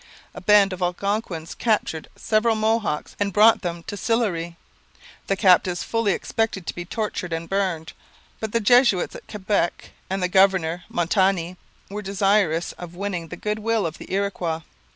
A band of Algonquins captured several Mohawks and brought them to Sillery. The captives fully expected to be tortured and burned; but the Jesuits at Quebec and the governor, Montmagny, were desirous of winning the goodwill of the Iroquois.